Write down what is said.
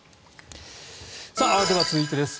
では、続いてです。